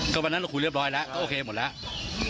ก็วันนั้นเราคุยเรียบร้อยแล้วก็โอเคหมดแล้ว